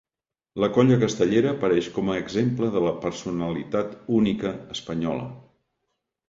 La colla castellera apareix com a exemple de la ‘personalitat única’ espanyola.